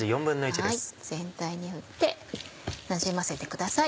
全体に振ってなじませてください。